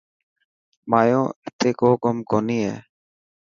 مايو اتي ڪو ڪم ڪوني هي.